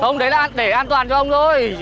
không đấy là để an toàn cho ông thôi